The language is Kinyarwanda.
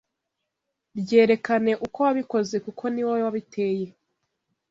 Byerekane uko wabikozekuko niwowe wabiteye